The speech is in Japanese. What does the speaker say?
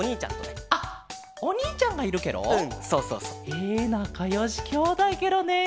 えなかよしきょうだいケロね。